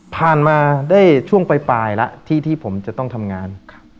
ผ่านมาได้ช่วงปลายแล้วที่ผมจะต้องทำงาน